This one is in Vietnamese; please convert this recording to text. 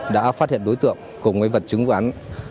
đã phát hiện đối tượng cùng với vật chứng vụ án